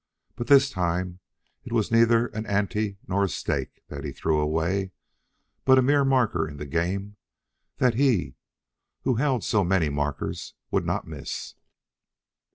But this time it was neither an ante nor a stake that he threw away, but a mere marker in the game that he who held so many markers would not miss.